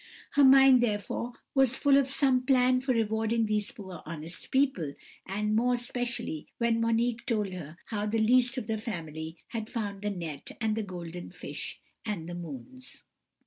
Her mind, therefore, was full of some plan for rewarding these poor honest people, and more especially when Monique told her how the least of the family had found the net and the golden fish and the moons.